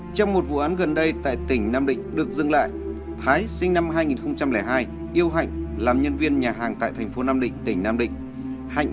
trong một vụ án gần đây tại tỉnh nam định được dừng lại thái sinh năm hai nghìn hai yêu hạnh làm nhân viên nhà hàng tại thành phố nam định tỉnh nam định